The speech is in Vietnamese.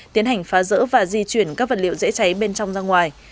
tiến hành phá rỡ và di chuyển các vật liệu dễ cháy bên trong ra ngoài